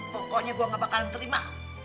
pokoknya gua nggak bakalan terima